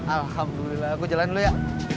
alhamdulillah aku jalan dulu ya